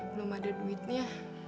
belum ada duitnya